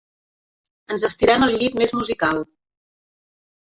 Ens estirem al llit més musical.